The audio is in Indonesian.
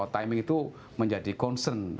timing itu menjadi concern